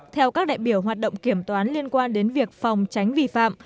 theo các đại biểu hoạt động kiểm toán liên quan đến việc phòng tránh vi phạm